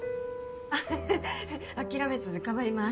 アハハ諦めず頑張ります。